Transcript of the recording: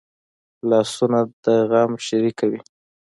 لاسونه د غم شریکه وي